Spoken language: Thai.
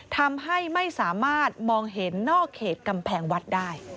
ทำให้ไม่สามารถมองเห็นนอกเขตกำแพงวัดได้